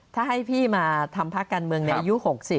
ถ้าให้พี่มาทำพักการเมืองในอายุ๖๐